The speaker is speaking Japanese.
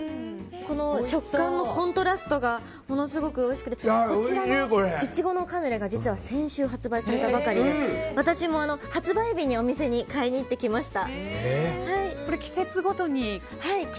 食感のコントラストがものすごくおいしくてこちら、イチゴのカヌレは実は先週発売されたばかりで私も発売日にお店に買いに行ってきました。